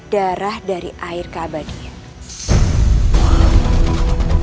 darah dari air keabadian